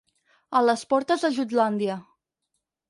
A les portes de Jutlàndia.